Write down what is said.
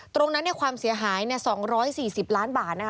ตรงนั้นความเสียหาย๒๔๐ล้านบาท